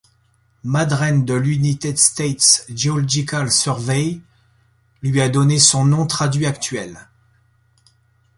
Maddren de l'United States Geological Survey, lui a donné son nom traduit actuel.